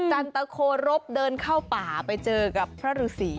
จันตะโครบเดินเข้าป่าไปเจอกับพระฤษี